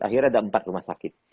akhirnya ada empat rumah sakit